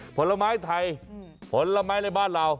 ผลไม้ไทยผลไม้ในบ้านเรา